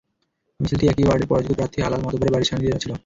মিছিলটি একই ওয়ার্ডের পরাজিত প্রার্থী আলাল মাতবরের বাড়ির সামনে দিয়ে যাচ্ছিল।